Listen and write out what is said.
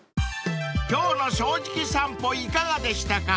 ［今日の『正直さんぽ』いかがでしたか？］